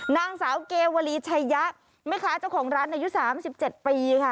นางสาวเกวลีชัยยะแม่ค้าเจ้าของร้านอายุ๓๗ปีค่ะ